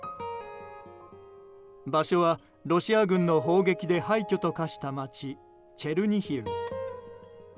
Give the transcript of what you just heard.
場所はロシア軍の砲撃で廃墟と化した街チェルニヒウ。